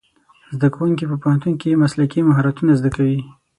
زدهکوونکي په پوهنتون کې مسلکي مهارتونه زده کوي.